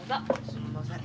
すみません。